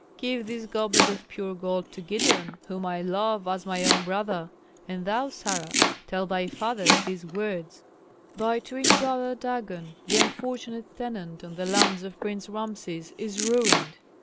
Give this goblet of pure gold to Gideon, whom I love as my own brother. And thou, Sarah, tell thy father these words: 'Thy twin brother Dagon, the unfortunate tenant on the lands of Prince Rameses, is ruined.